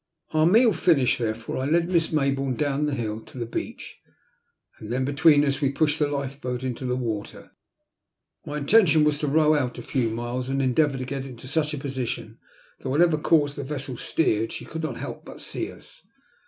Our meal finished there fore, I led Miss Mayboume down the hill to the beach, and then between us we pushed the lifeboat into the water. My intention was to row out a few miles and endeavour to get into such a position that whatever course the vessel steered she could not help but see us.